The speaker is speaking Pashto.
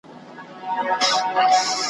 دوی به دواړه وي سپاره اولس به خر وي `